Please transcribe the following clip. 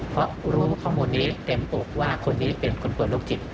เพราะรู้ข้อมูลนี้เต็มอกว่าคนนี้เป็นคนป่วยโรคจิต